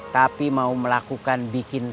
tapi mau melakukan bikin